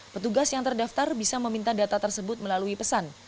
petugas yang terdaftar bisa meminta data tersebut melalui pesan